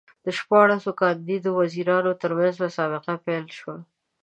د شپاړسو کاندید وزیرانو ترمنځ مسابقه پیل شوه.